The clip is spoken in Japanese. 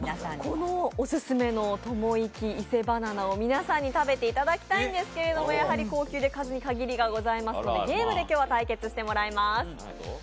このオススメのともいき伊勢バナナを皆さんに食べていただきたいんですけどやはり高級で数に限りがございますのでゲームで対決していただきます。